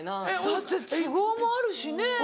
だって都合もあるしね。